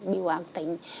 biểu ác tính